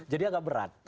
jadi agak berat